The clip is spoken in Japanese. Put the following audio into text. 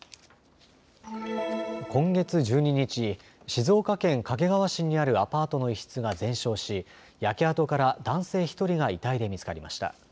今月１２日、静岡県掛川市にあるアパートの一室が全焼し焼け跡から男性１人が遺体で見つかりました。